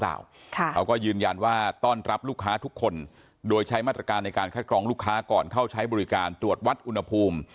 เขาก็ยืนยันว่าต้อนรับลูกค้าทุกคนโดยใช้มาตรการในการคัดกรองลูกค้าก่อนเข้าใช้บริการตรวจวัดอุณหภูมิ